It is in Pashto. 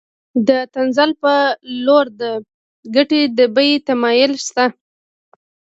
د تنزل په لور د ګټې د بیې تمایل شته